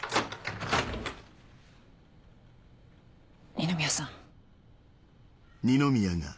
二宮さん。